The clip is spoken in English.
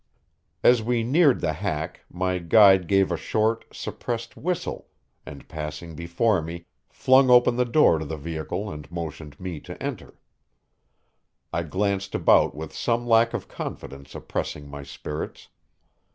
As we neared the hack my guide gave a short, suppressed whistle, and passing before me, flung open the door to the vehicle and motioned me to enter. I glanced about with some lack of confidence oppressing my spirits.